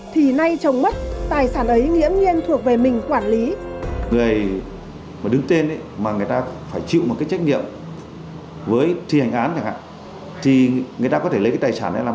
thì nay chồng mất tài sản ấy nghiễm nhiên thuộc về mình quản lý